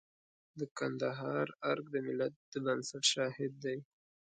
د کندهار ارګ د ملت د بنسټ شاهد دی.